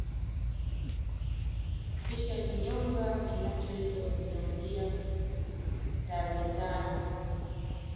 Spishi ya kinyonga kinachoitwa Kinyongia tavetana